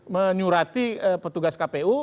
menyurati petugas kpu